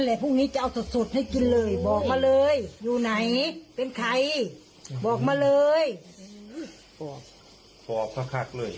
นั่นแหละพรุ่งนี้จะเอาสดให้กินเลยบอกมาเลยอยู่ไหนเป็นใครบอกมาเลย